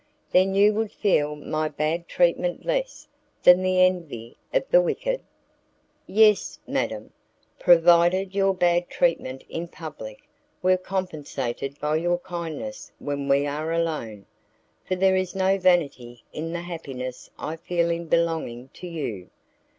"Then you would feel my bad treatment less than the envy of the wicked?" "Yes, madam, provided your bad treatment in public were compensated by your kindness when we are alone, for there is no vanity in the happiness I feel in belonging to you.